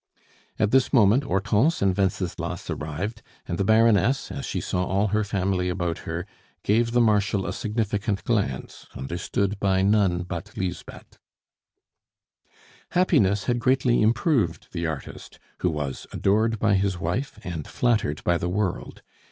At this moment, Hortense and Wenceslas arrived, and the Baroness, as she saw all her family about her, gave the Marshal a significant glance understood by none but Lisbeth. Happiness had greatly improved the artist, who was adored by his wife and flattered by the world.